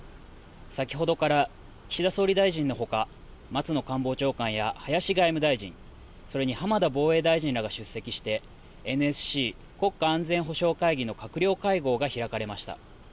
先ほどから岸田総理大臣のほか松野官房長官や林外務大臣、それに浜田防衛大臣らが出席してＮＳＣ・国家安全保障会議の閣僚会合が開かれました。